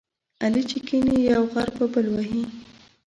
علي چې کېني، یو غر په بل وهي.